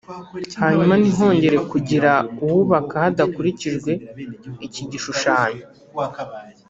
hanyuma ntihongere kugira uwubaka hadakurikijwe iki gishushanyo